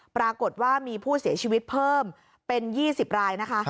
ปรากฏว่ามีผู้เสียชีวิตเพิ่มเป็น๒๐รายนะคะ